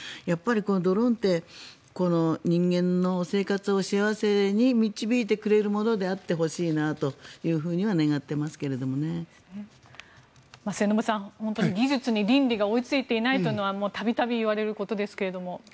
このドローンって人間の生活を幸せに導いてくれるものであってほしいなとは末延さん、本当に技術に倫理が追いついていないというのは度々いわれることですが。